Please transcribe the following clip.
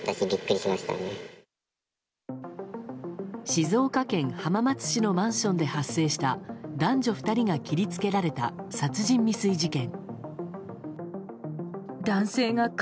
静岡県浜松市のマンションで発生した男女２人が切り付けられた殺人未遂事件。